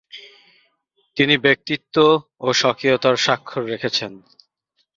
তিনি ব্যক্তিত্ব ও স্বকীয়তার স্বাক্ষর রেখেছেন।